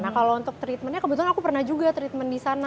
nah kalau untuk treatmentnya kebetulan aku pernah juga treatment di sana